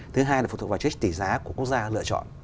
thứ hai là phụ thuộc vào cái tỷ giá của quốc gia lựa chọn